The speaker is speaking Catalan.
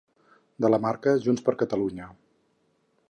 De la marca ‘Junts per Catalunya’